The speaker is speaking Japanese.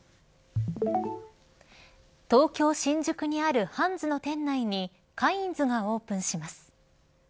東京、新宿にあるハンズの店内にカインズがオープンします。